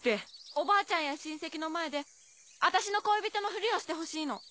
おばあちゃんや親戚の前で私の恋人のフリをしてほしいの。